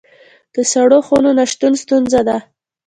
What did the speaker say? د سړو خونو نشتون ستونزه ده